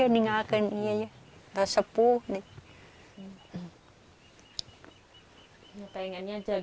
hanya jagain abah aja